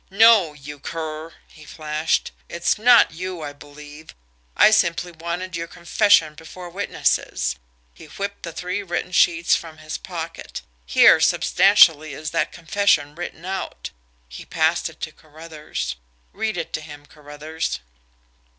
"NO, you cur!" he flashed. "It's not you I believe. I simply wanted your confession before witnesses." He whipped the three written sheets from his pocket. "Here, substantially, is that confession written out." He passed it to Carruthers. "Read it to him, Carruthers."